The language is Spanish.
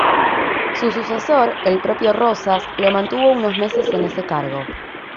Su sucesor, el propio Rosas, lo mantuvo unos meses en ese cargo.